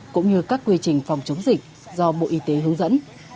cũng như các quy trình phòng chống dịch do bộ y tế hướng dẫn